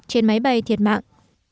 trên máy bay thiệt mạng